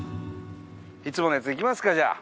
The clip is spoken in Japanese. いつものやついきますかじゃあ。